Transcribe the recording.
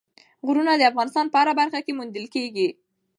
غرونه د افغانستان په هره برخه کې موندل کېږي.